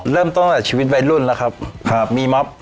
เริ่มต้นจากชีวิตวัยรุ่นแล้วครับมีม็อบ